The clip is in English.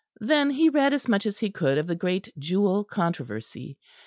Then he read as much as he could of the great Jewell controversy.